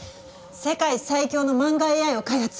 世界最強の漫画ＡＩを開発する。